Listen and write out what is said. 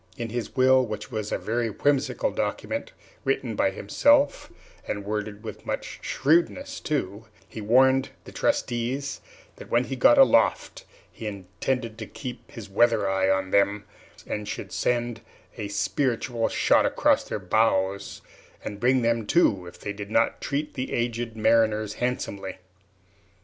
In his will, which was a very whimsical document written by himself, and worded with much shrewdness, too he warned the Trustees that when he got "aloft" he intended to keep his "weather eye" on them, and should send "a speritual shot across their bows" and bring them to, if they didn't treat the Aged Mariners handsomely.